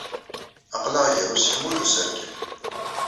Aql-aɣ ger useḥmu d userkem.